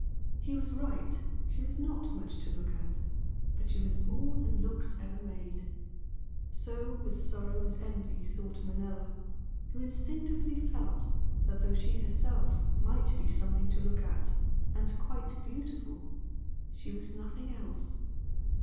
He was right. She was not much to look at. But she was more than looks ever made. So, with sorrow and with envy, thought Manella, who instinctively felt that though she herself might be something to look at and "quite beautiful," she was nothing else.